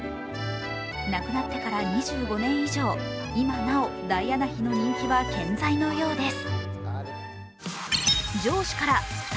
亡くなってから２５年以上、今なおダイアナ妃の人気は健在のようです。